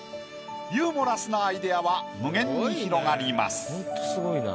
ユーモラスなアイディアは無限に広がります。